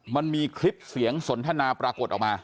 มันมีคลิปเสียงสนทนาปรากฏออกมา